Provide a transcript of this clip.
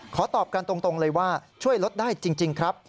ขอตอบกันตรงเลยว่าช่วยลดได้จริงครับ